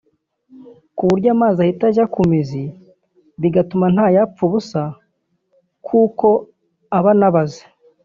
ku buryo amazi ahita ajya ku mizi bigatuma ntayapfa ubusa kuko aba anabaze